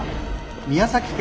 宮崎県